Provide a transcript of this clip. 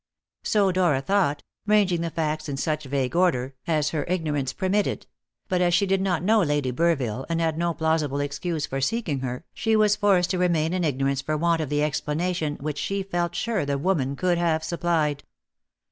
So Dora thought, ranging the facts in such vague order as her ignorance permitted; but as she did not know Lady Burville, and had no plausible excuse for seeking her, she was forced to remain in ignorance for want of the explanation which she felt sure the woman could have supplied.